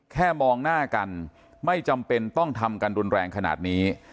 มองหน้ากันไม่จำเป็นต้องทำกันรุนแรงขนาดนี้